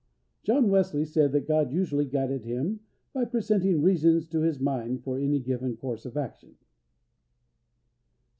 John Wesley said that God usually guided him by presenting reasons to his mind for any given course of action.